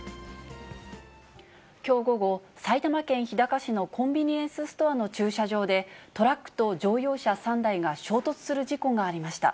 きょう午後、埼玉県日高市のコンビニエンスストアの駐車場で、トラックと乗用車３台が衝突する事故がありました。